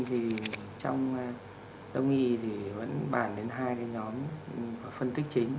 thì trong đông y thì vẫn bàn đến hai cái nhóm phân tích chính